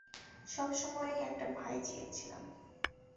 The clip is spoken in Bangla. সবসময়ই একটা ভাই চেয়েছিলাম।